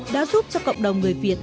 đã giúp cho cộng đồng người việt